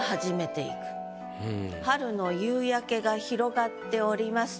春の夕焼けが広がっております。